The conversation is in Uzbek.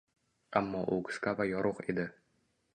Ammo u qisqa va yorug’ edi.